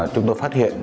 chúng tôi phát hiện